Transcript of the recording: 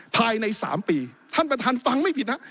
ภายใน๓ปีท่านประธานฟังไม่ผิดนะ